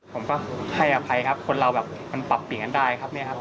ผมก็ให้อภัยครับคนเราแบบมันปรับเปลี่ยนกันได้ครับเนี่ยครับ